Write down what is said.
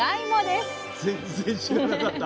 全然知らなかった。